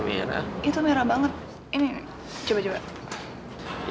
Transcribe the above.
lihatlah ulang sini jumping